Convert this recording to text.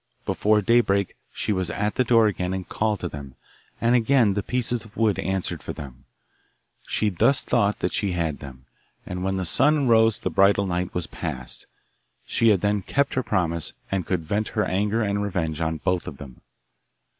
Before daybreak she was at the door again and called to them, and again the pieces of wood answered for them. She thus thought that she had them, and when the sun rose the bridal night was past: she had then kept her promise, and could vent her anger and revenge on both of them.